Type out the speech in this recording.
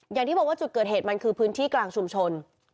อย่างที่บอกว่าจุดเกิดเหตุมันคือพื้นที่กลางชุมชน